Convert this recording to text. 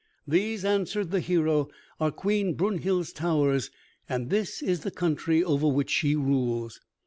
"These," answered the hero, "are Queen Brunhild's towers and this is the country over which she rules."